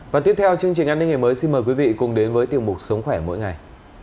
và tiếp theo chương trình an ninh ngày mới xin mời quý vị cùng đến với tiểu mục sống khỏe mỗi ngày